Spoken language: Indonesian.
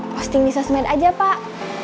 posting di sosmed aja pak